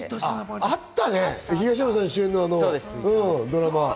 あったね、東山さん主演のドラマ。